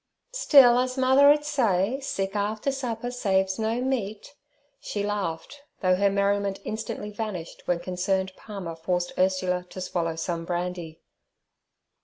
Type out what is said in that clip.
'Still, as mother 'ud say, "Sick after supper saves no meat," ' she laughed, though her merriment instantly vanished when concerned Palmer forced Ursula to swallow some brandy.